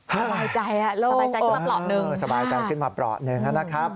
ไม่สบายใจโล่งสบายใจขึ้นมาเปราะหนึ่งค่ะค่ะสบายใจขึ้นมาเปราะหนึ่ง